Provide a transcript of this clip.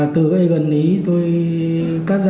từ master tổng này tôi đã cắt ra